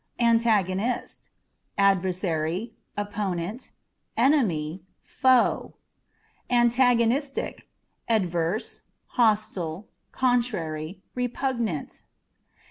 Antagonist â€" adversary, opponent, enemy, foe. Antagonistic â€" adverse, hostile, contrary, repugnant.